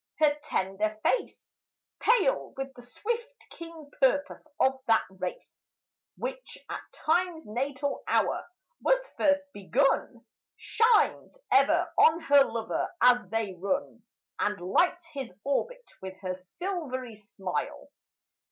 Her tender face, Pale with the swift, keen purpose of that race Which at Time's natal hour was first begun, Shines ever on her lover as they run And lights his orbit with her silvery smile.